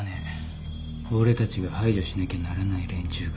俺たちが排除しなきゃならない連中が。